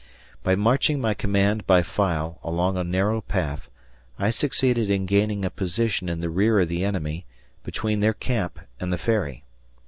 By marching my command by file, along a narrow path, I succeeded in gaining a position in the rear of the enemy, between their camp and the Ferry.